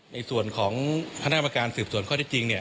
ในส่วนของคณะกรรมการสืบสวนข้อที่จริงเนี่ย